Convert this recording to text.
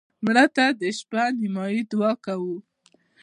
مړه ته د شپه نیمایي دعا کوو